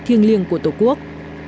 thiên liêng của tổ quốc